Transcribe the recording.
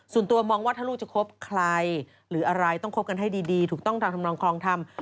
ส่วนตัวมองว่าถ้าลูกจะคบใครหรืออะไรต้องคบกันให้ดีถูกต้องทางธรรมนองคลองธรรม